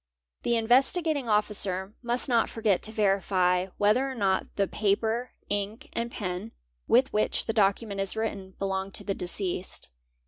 The Investigating Officer must not forget to verify whether or not ;_ the paper, ink, and pen with which the document is written belong to i the deceased.